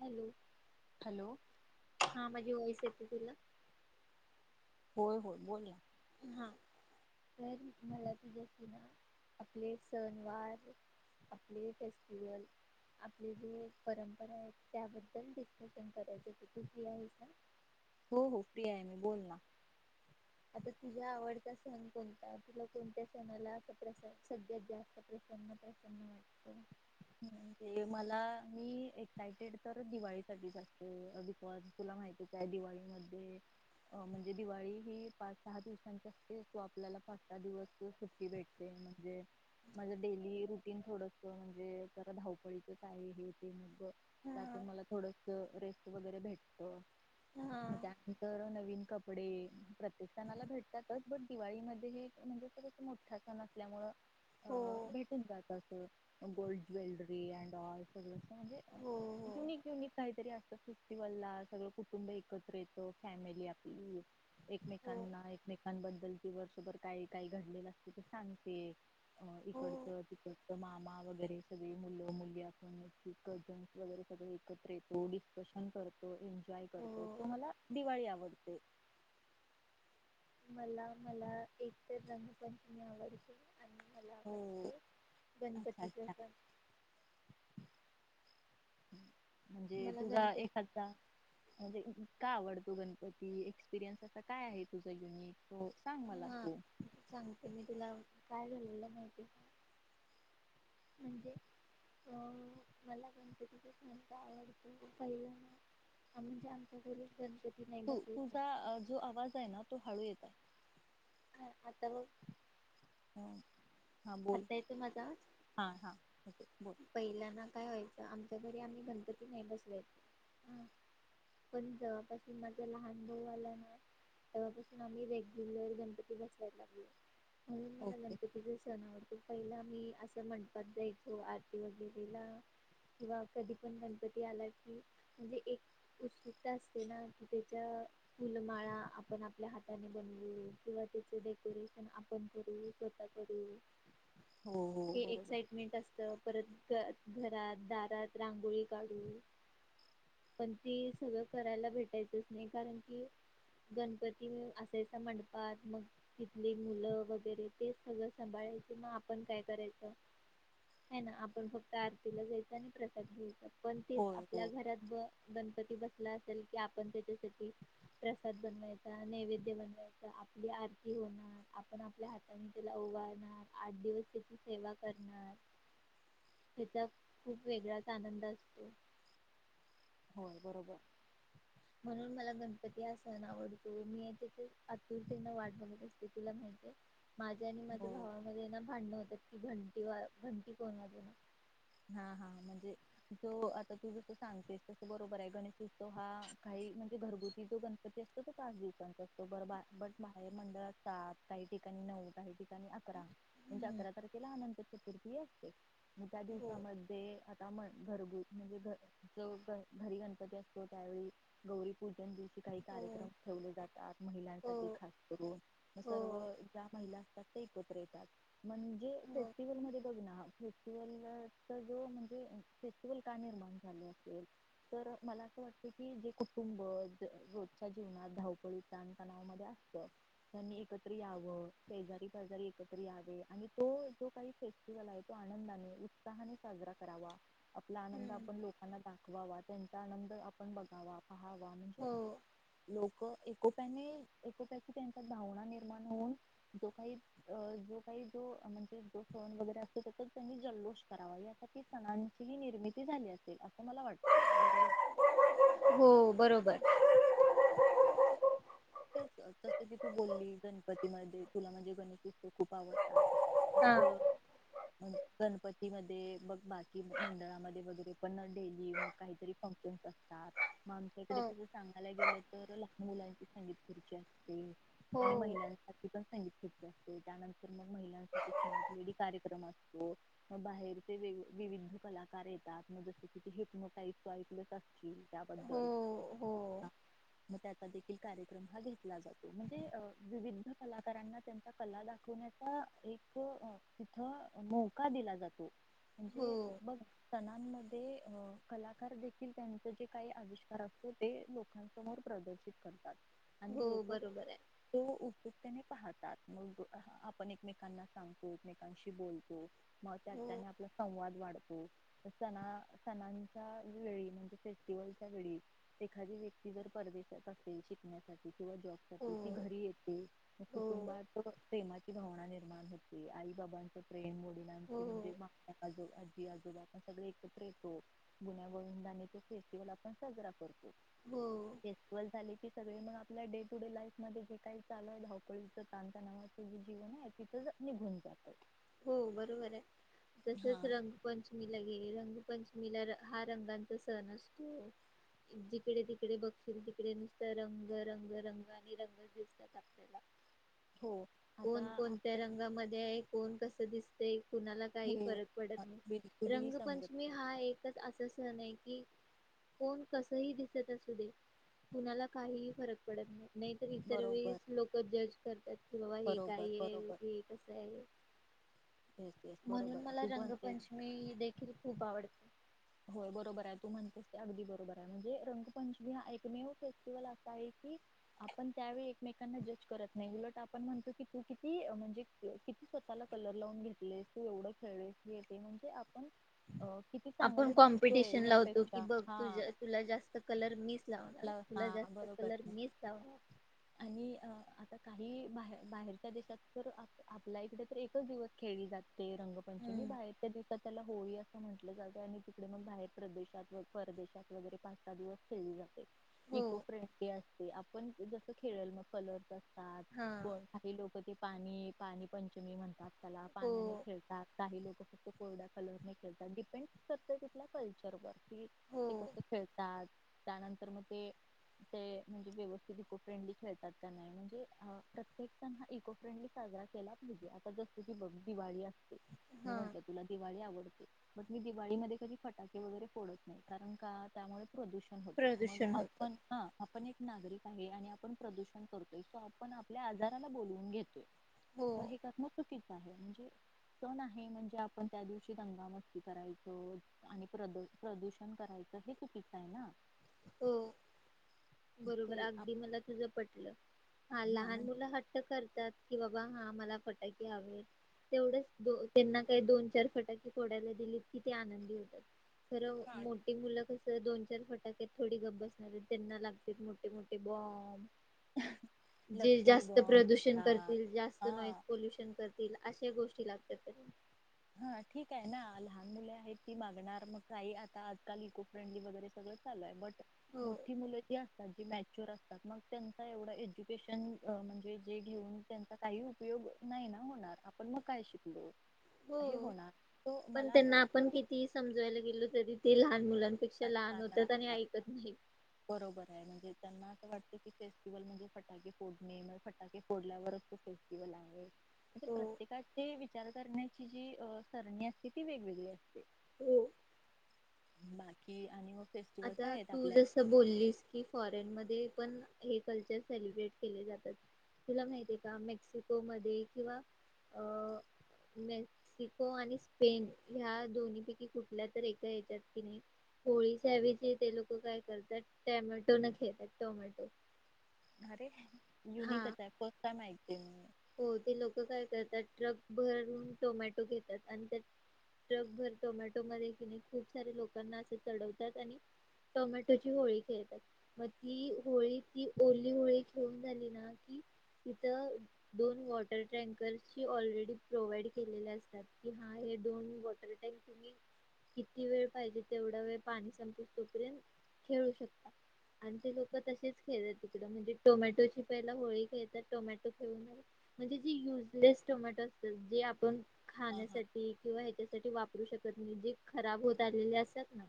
Hello hello. हां माझी voice येत केलं होय-होय बोल ना. हां, तर मला तुज्याशी ना आपले सणवार, आपले फेस्टिवल, आपले जे परंपरा आहेत त्याबद्दल डिस्कशन करायच ते तू फ्री आहेस ना. हो-हो फ्री आहे मी बोल ना. आता तुझा आवडता सण कोणता? तुला कोणत्या सणाला प्र असं सगळ्यात जास्त प्रसन्न प्रसन्न वाटतं? ते मला मी एक्सायटेड तर दिवाळी साठीच असते. बिकॉज तुला माहितीच आय दिवाळीमध्ये अं म्हणजे दिवाळी ही पाच-सहा दिवसांची असते, तो आपल्याला पाच-सहा दिवस सुट्टी भेटते. म्हणजे माझं डेली रुटीन थोडस म्हणजे जरा धावपळीतच आहे हे ते म्हणजे हा त्यातून मला थोडं ते रेस्ट वगैरे भेटतं. हा मजाक कर नई नवीन कपडे, प्रत्येक सणाला भेटतातच पण दिवाळीमध्ये हे म्हणजे मोठा सण असल्यामुळं हो अ भेटून जातात. अं अन् गोल्ड ज्वेलरी अँन्ड ऑलं सगळं म्हणजे अ हो युनिक-युनिक काहीतरी अस् फेस्टिवला सगळं कुटुंब एकत्र येतो फॅमिली आपली. हो एकमेकांना एकमेकांबद्दल वर्षभर काय-काय घडलेलं असते ते सांगते हो हो इकडचं तिकडचं मामा वगैरे सगळं मुलं-मुलगी असून कजन्स वगैरे सगळं एकत्र येतो डिस्कशन करतो, इन जॉय करतो, तो हो मला दिवाळी आवड इत्ते मला-मला एकतर रंगपंचमी आवडते आणि मला हो. आवडते अच्छा गणपतीचे अच्छा सण हम्म म्हणजे मला तुझा गणपती एखादा म्हणजे का आवडतो गणपती एक्सपिरियन्स असा काय आहे तुझा युनिक? हो सांग मला हा तू सांगते मी तुला काय झालेलं माहिती का म्हणजे अ मला गणपतीचा सण का आवडतो पहिला म्हणजे आमच्या घरी गणपती नाही तु बसायचा तुझा जो आवाज आहे ना तो हाळू ये अ आता बघ हा बोल आता येतो माझा आवाज हा हा ओके बोल. पहिल्याना काय व्हायचं? आमच्या घरी आम्ही गणपती नाही बसवायचे, हा पण जेव्हापासून माझा लहान भाऊ आला ना तेव्हापासून आम्ही रेग्युलर गणपती बसयला लागलो आणि मला ओके गणपतीचे स जनावरती पहिला मी असं म्हणतात जायचो आरती वगैरेला किंवा कधी पण गणपती आला की म्हणजे एक उत्सुकता असते ना की त्याच्या फुलमाळा आपण आपल्या हाताने बनवू किंवा त्याचे डेकोरेशन आपण करू स्वतः करू हो हो हे बरोबर. एक्साइटमेंट असतं परत ग घरात दारात रांगोळी काढू पण ते सगळं करायला भेटायचंच नाही कारण कि गणपती असायचा मंडपात मग तिथली मुलं वगैरे ते सगळं सांभाळाय किंवा आपण काय करायचं है ना आपण फक्त आरतीला जायचं आणि प्रसाद घ्यायचा पण तेच होय आपल्या होय घरात ब गण पती बसला असेल की आपण त्याच्यासाठी प्रसाद बनवायचा, नैवेद्य बनवायचा, आपली आरती होणार आपण आपल्या हाताने त्याला ओवाळणार आठ दिवस त्याची सेवा करणार त्याचा खूप वेगळाच आनंद असतो. होय बरोबर म्हणून मला गणपती हा सण आवडतो मी एकतर अतुरतेने वाट बघत असते तुला माहिती आहे. माझ्या आणि हो. माझ्या भावामध्ये ना भांडणं होतं की घंटी व घंटी कोण वाजवणार हा हा म्हणजे जो आता तू जसं सांगतेस तस बरोबर आहे गणेश ती तो हा काही म्ह घरगुती जो गणपती असतो तो पाच दिवसांचा असतो, बरं बाहे बट बाहेर मंडळात सात, काही ठिकाणी नऊ, काही ठिकाणी अकरा म्हणजे हम्म. अकरा तारखेला आनंद चतुर्थी असते त्या हो दिवशी ते आता म्हण घरगु म्हणजे घ जो घरी गणपती असतो त्यावेळी गौरीपूजन दिव ची काही हो कार्यक्रम ठेवले जातात हो महिलांसाठी खास करून म सर्व हो ज्या महिला ते एकञ येतात. म्हणजे हो फेस्टिवल मध्ये बघ ना. [unintelligible] ज म्हणजे फेस्टिवल का निर्माण झाले असेल तर मला असं वाटत की जे कुटुंब रोजच्या जीवनात धावपळी तान तणावामध्ये असत त्यांनी एकत्र यावं शेजारी पाजारी एकत्र यावे आणि तो जो काही फेस्टिवल आहे तो आनंदाने णे साजरा करावा. आपला आनंद हम्म आपण लोकांना दाख वा वा त्यांचा आनंद आपण बघावा. हा वा म्हणजे हो लोक. क एकोप्याने, एकोप्याची त्यांच्यात भावना निर्माण होऊन जो काही जो काही जो म्हणजे जो सण वगैरे असतो त्याच्यात त्यांनी जल्लोष करावा यासाठी सणांची ही निर्मिती झाली असेल असं मला वाटतं बरोबर. हो बरोबर. तेच तसं की तू बोलली गणपतीमध्ये तुला म्हणजे गणेश उत्सव खूप आवडतात. हा अग! मग गणपती मध्ये बग बाकी मंडळामध्ये वगैरे पण डेली मग काहीतरी फंक्शनस असतात मग आमच्याकडे अ तस सांगायला गेलं तर लहान मुलांची संगीत खुर्ची असती हो आणि महिलांसाठी. पण संगीत खुर्चीअसते त्यानंतर मग महिलांसाठी स्मार्ट लेडी कार्यक्रम असतो, मग बाहेरचे वेग विविध कलाकार येतात, मग जस कि हिप्नोटाइज तू ऐकलच असशील. हो त्याबद्दल! हो हा मग त्या आता देखील. कार्यक्रम हा घेतला जातो म्हणजे विविध कलाकारांना त्यांचा कला दाखवण्याचा एक तिथ मौका दिला जातो हो म्हणजे बघ. सणांमध्ये अ कलाकार देखील त्यांचं जे काही आविष्कार असते ते लोकांसमोर प्रदर्शित करतात. आणि हो लोक बरोबर आहे तो उपयुक्तेने पाहतात म आपण एकमेकांना सांगतो एकमेकांशी बोलतो. मग त्या हो त्याने आपला संवाद वाढतो. सणा सणांच्या वेळी म्हणजे फेस्टिवलच्या वेळी एखादी व्यक्ती जर परदेशात असेल. [unintelligible] किंवा जॉब हो साठी ती घरी येते. हो कुटुंबात प्रेमाची भावना निर्माण होती आई बाबांच प्रेम. हो [unintelligible] आजो आजी आजोबा आपण सगळे एकत्र येतो गुन्या गोविंदान तो फेस्टिवल आपण साजरा करतो. हो फेस्टिवल झाली. सगळे मग आपल्या डे टू डे लाईफ मध्ये जे काही चालय धावपळीच तांणतनावाचं जे जीवन आहे तिथं निघून जात. हो बरोबर आहे हा. तसच रंगपंचमी ला गेल रंग. पंचमीला हा रंगांचा सण असतो जिकडे तिकडे बघशील तिकडे नुसत रंग रंग रंग आणि रंग दिसतात आपल्याला. हो आता कोण कोणत्या आपल्या रंगामध्ये आहे. कोण कसं दिसतय कुणाला काही हे फरक पडत नाही बिलकुलही समजत रंगपंचमी नाही. हा एकच अस नाही की कोण कसही दिसत असू दे कुणाला काहीही फरक पडत नाही. नाहीतर इतर बरोबर वेळेस लोक जज करत्यात कि बाबा हे बरोबर कायये बरोबर हे कसंय येस येस म्हणून बरोबर मला तू म्हणतेस रंगपंचमी हि देखील खूप आवड होय बरोबर आहे तू म्हणतेस अगदी बरोबर आहे म्हणजे रंगपंचमी हा एकमेव फेस्टिवल असा आहे की आपण त्यावेळी एकमेकांना जज करत नाही, उलट आपण म्हणतो कि तू किती म्हणजे किती स्वतःला कलर लावून घेतलेस, तू एवढ खेळलेस येत म्हणजे आपण अ किती आपण चांगलं दिसतोय कॉम्पिटिशन लावतो की यापेक्षा बघ हा तु तुला जास्त कलर मिचं लावणार ला- हा तुला जास्त बरोबर कलर मिचं लावणार आणि अ, आता काही बाहेर बाहेरच्या देशात तर आपल्या इकडे तर एकच दिवस खेळली जाते. ते रंगपंचमी हम्म बाहेर च्या देशात त्याला होळी असं म्हंटलं जात. आणि तिकडे मग बाहेर प्रदेशात व परदेशात वगैरे पाच सहा दिवस खेळली जात हो इको फ्रेंडली आपण जस खेळेल मग कलर दात हा काही लोक ते पाणी पाणी पंचमी म्हणतात. त्याला हो पाण्याने खेळतात काही लोक फक्त कोरड्या कलरने खेळतात. डिपेंड फक्त तिथल्या कल्चर वर कि हो ते कस खेळतात, त्यानंतर मग ते म्हणजे व्यवस्थित इको फ्रेंडली खेळतात का नाही त्यांना म्हणजे प्रत्येक जण हा इको फ्रेंडली साजरा केला पाहिजे आता जस की बघ दिवाळी मी हा म्हंटलं तुला दिवाळी आवड पण मी दिवाळीमध्ये कधी फटाके वगैरे फोडत नाही कारण का त्यामुळे प्रदूषण होत मग प्रदूषण होतं. आपण ह आपण एक नागरिक आहे आणि आपण प्रदूषण करतोय सो आपण आपल्या आजाराला बोलवून घेतोय. हो तर हे करण चुकीचं म्हणजे सण आहे म्हणजे आपण त्या दिवशी दंगामस्ती करायचो आणि प्र प्रदूषण करायचं हे चुकीच आहे ना हो ते बरोबर अगदी मला तुज पटल. हा आप- लहान म्हणजे मुलं हट्ट करतात. कि बाबा हा मला फटाके हवे तेवढंच त्यांना काही दोन चार फटाके फोडायला दिलीत कि ते आनंदी होतात. खर हा मोठी मुल कस दोन चार फटाक्यात थोडी गप बसणारेत त्यांना लाग मोठे मोठे बॉम्ब जे लक्ष्मी जास्त बॉम्ब प्रदूषण म्हणतात करतील, जास्त नॉईज हा पोल्युशन करतील. अशा गोष्टी लागतात. हा ठीक आहे ना लहान मुले आहेत ती मागणार मग काही आता आजकाल इको फ्रेंडली वगैरे सगळं चालू आहे बट हो मोठी मुलं जी असतात जी मॅ शोर असातात मग त्यांचा एवढ एज्युकेशन म्हणजे जे घेऊन त्यांचा काही उपयोग नाही ना होणार आपण मग काय शिकलो हे हो होणार तो पण मला असं त्यांना आपण किती समजवायला गेलो तरी ते लहान मुला बरोबर आहे म्हणजे त्यांना वाटत की फेस्टिवल म्हणजे फटाके फोडणे, फटाके फोडल्यावरच तो फेस्टिव्हल आहे. म्हणजे हो प्रत्येकाची विचार करण्या जी सरणी असते ती वेगवेगळी असते. हो बाकी आणि मग फेस्टिवल आता काय आहेत तू आपल्या जस बोललीस की फॉरेन मध्ये हे कल्चर सेलब्रेट केले जातात तुला माहिते का मेक्सिको मध्ये किंवा अ मेक्सिको आणि स्पेन ह्या दोन्ही पैकी कुठल्या तर एका याच्यात कि नाही होळी त्यावेळी ते ते लोक काय करतात टॅमॅटो न खेळतात टोमॅटो अरे हा युनिकच आहे फर्स्ट टाइम ऐकलं. [inaudible] हो ते लोक काय करतात ट्रक भरून टोमॅटो घेतात आणि त्या ट्रक भर टोमॅटो मध्ये कि खूप सारे लोकांना अस चढवतात आणि टोमॅटोची होळी खेळतात मग ती होळी ती ओली होळी घेऊन झाली ना कि तिथ दोन वॉटर टँकरची ऑलरेडी प्रोव्हाइड केलेले असतात कि हा हे दोन वॉटर टँक तुम्ही किती वेळ पाहिजे तेवढा वेळ पाणी संपूस तोपर्यंत खेळू शकता आणि ते लोक तसेच खेळतात तकड म्हणजे टोमॅटोची पहिला होळी खेळतात टोमॅटो म्हणजे जे युजलेस टोमॅटो असतात जे आपण हा हा खाण्यासाठी किंवा हेच्या जे वापरू शकत नाही जे खराब होत आलेले असतात ना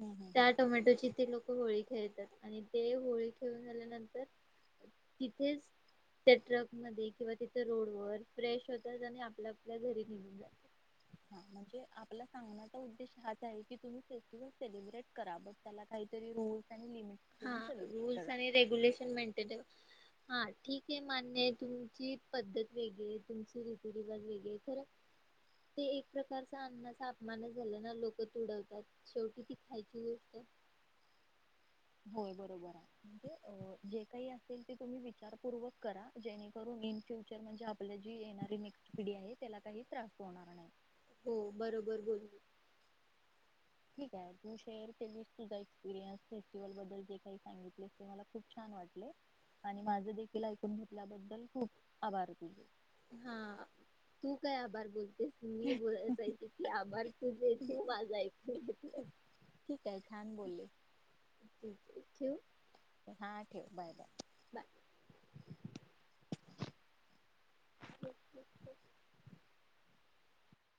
हम्म हम्म हम्म त्या टोमॅटोची ती लोक होळी खेळतात आणि ते होळी खेळून झाल्यानंतर तिथेच त्या ट्रक मध्ये किंवा तिथे रोड वर फ्रेश होतात आणि आपल्या आपल्या घरी निघून जातात. हा म्हणजे आपला सांगण्याचा उद्देश हाच आहे की तुम्ही फेस्टिवल सेलिब्रेट करा ब त्याला काहीतरी रुल हा रूल्स आणि रेग्युलेशन मेंटेन हा ठीक आहे मान्य आहे तुमची पद्धत वेगळी आहे तुमची रीतीरिवाज वेगळे खरं ते एक प्रकारचा अन्नाचा अपमानच झालं ना लोक त तूडवतात शेवटी ती खायची गोष्टय. होय बरोबर आहे म्हणजे जे काही असेल ते तुम्ही विचारपूर्वक करा जेणेकरून इन फ्युचर म्हणजे आपली जी येणारी नेक्स्ट पिढी आहे त्याला काही त्रास होणार नाही. हो बरोबर बोलली ठीक आहे तू शेअर केलीस तुझा एक्सपीरीयन्स फस्टिवल बद्दल जे काही सांगितले ते मला खूप छान वाटले आणि माझ देखील ऐकून घेतल्याबद्दल खूप आभार तुझे. हा तू काय आभार बोलतेस मी बोलातते की आभार तुझे तू माझा ऐक घेतलस ठीक आहे छान बोलले ठीके ठेऊ हा ठेव बाय बाय बाय [inaudible]